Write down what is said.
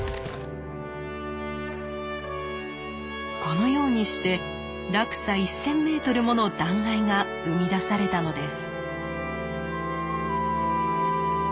このようにして落差１，０００ｍもの断崖が生み出されたのです。